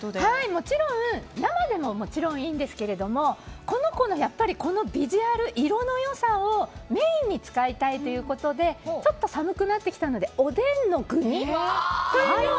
もちろん生でもいいんですけどこの子のビジュアル、色の良さをメインに使いたいということでちょっと寒くなってきたのでおでんの具に。